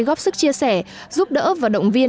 góp sức chia sẻ giúp đỡ và động viên